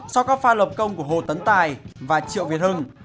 so với các pha lập công của hồ tấn tài và triệu việt hưng